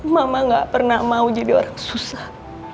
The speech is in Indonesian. mama gak pernah mau jadi orang susah